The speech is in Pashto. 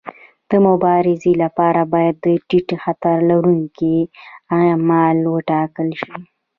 د مبارزې لپاره باید د ټیټ خطر لرونکي اعمال وټاکل شي.